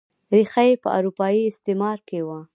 ریښه یې په اروپايي استعمار کې وه.